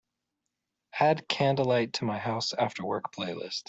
Add Candlelight to my House Afterwork playlist.